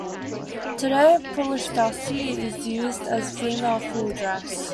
Today, puletasi is used as female full dress.